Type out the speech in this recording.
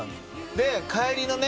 で帰りのね